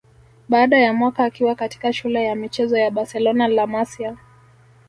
Baada ya mwaka akiwa katika shule ya michezo ya Barcelona La Masia